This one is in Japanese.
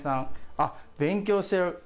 あっ、勉強してる。